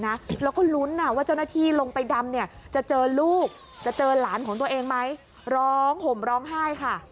แล้วก็ลุ้นว่าเจ้าหน้าที่ลงไปดำเนี่ยจะเจอลูกจะเจอหลานของตัวเองไหมร้องห่มร้องไห้ค่ะ